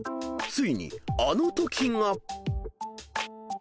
ついにあのときが］